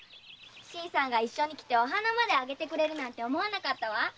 新さんが一緒に来てお花まであげてくれるとは思わなかった。